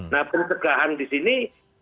nah pencegahan di sini